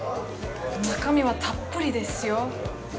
中身はたっぷりですよ。